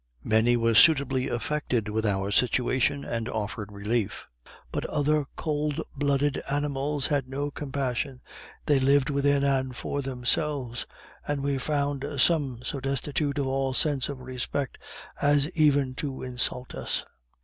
Many were suitably affected with our situation, and offered relief; but other cold blooded animals had no compassion they lived within and for themselves and we found some so destitute of all sense of respect as even to insult us.